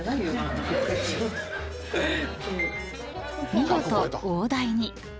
［見事大台に］